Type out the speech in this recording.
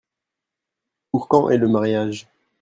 Pour quand est le mariage ?